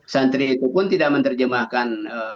santri itu pun tidak menerjemahkan